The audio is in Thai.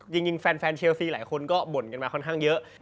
จริงแฟนเชลซีหลายคนก็บ่นกันมาค่อนข้างเยอะ